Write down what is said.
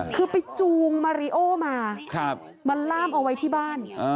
คือไปจูงมาริโอมามาล่ามเอาไว้ที่บ้าน